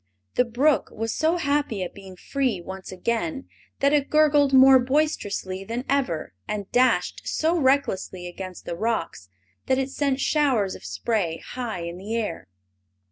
The brook was so happy at being free once again that it gurgled more boisterously than ever and dashed so recklessly against the rocks that it sent showers of spray high in the air.